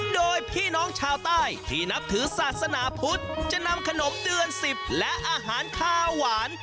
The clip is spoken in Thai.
โดยพี่น้องชาวใต้ที่นับถือศาสนาพุทธจะนำขนมเดือน๑๐และอาหารข้าวหวาน